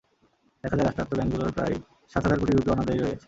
দেখা যায়, রাষ্ট্রায়ত্ত ব্যাংকগুলোর প্রায় সাত হাজার কোটি রুপি অনাদায়ি রয়ে গেছে।